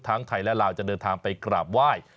ทั้งไทยและลาวจะเดินทางไปกราบไหว้